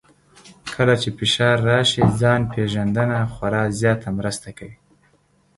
کله چې فشار راشي، ځان پېژندنه خورا زیاته مرسته کوي.